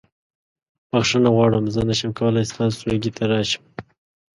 بخښنه غواړم زه نشم کولی ستاسو ټولګي ته راشم.